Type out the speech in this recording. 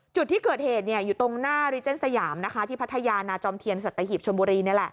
จุดที่เกิดเหตุอยู่ตรงหน้าริเจนสยามที่พัทยานาจอมเทียนสัตหีบชนบุรี